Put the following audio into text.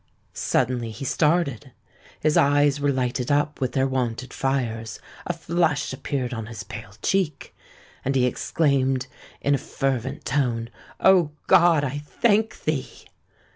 Suddenly he started—his eyes were lighted up with their wonted fires—a flush appeared on his pale cheek—and he exclaimed in a fervent tone, "O God! I thank thee!"